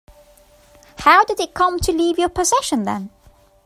How did it come to leave your possession then?